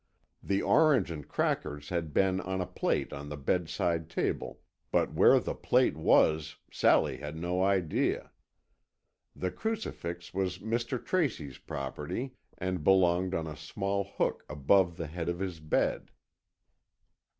The orange and crackers had been on a plate on the bedside table, but where the plate was, Sally had no idea. The crucifix was Mr. Tracy's property and belonged on a small hook above the head of his bed.